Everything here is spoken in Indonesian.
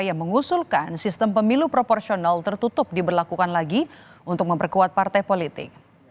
yang mengusulkan sistem pemilu proporsional tertutup diberlakukan lagi untuk memperkuat partai politik